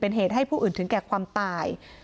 เป็นเหตุให้ผู้อื่นถึงแก่ความตาย